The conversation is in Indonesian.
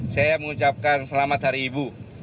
saya mengucapkan selamat hari ibu